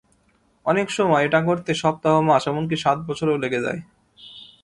অনেক সময় এটা করতে সপ্তাহ, মাস এমনকি সাত বছরও লেগে যায়।